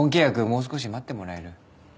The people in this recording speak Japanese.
もう少し待ってもらえる？